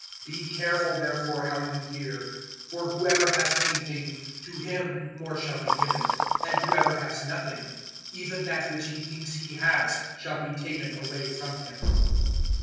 008:018 Be careful, therefore, how you hear; for whoever has anything, to him more shall be given, and whoever has nothing, even that which he thinks he has shall be taken away from him."